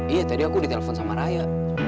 iya tadi aku ditelepon sama raya